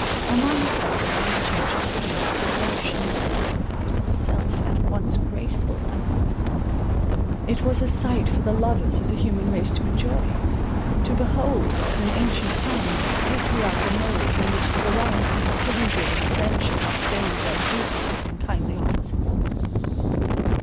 Among some these changes produced a devotion and sacrifice of self at once graceful and heroic. It was a sight for the lovers of the human race to enjoy; to behold, as in ancient times, the patriarchal modes in which the variety of kindred and friendship fulfilled their duteous and kindly offices.